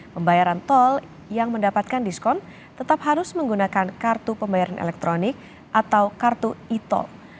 pembayaran tol yang mendapatkan diskon tetap harus menggunakan kartu pembayaran elektronik atau kartu e tol